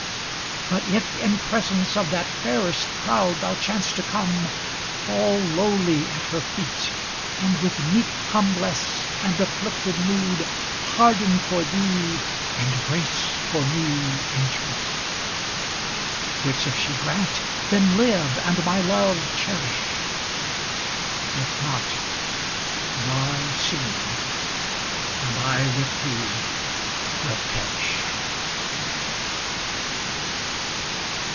But if in presence of that fairest proud Thou chance to come, fall lowly at her feet: And with meek humbless and afflicted mood, Pardon for thee, and grace for me entreat. Which if she grant, then live, and my love cherish, If not, die soon, and I with thee will perish.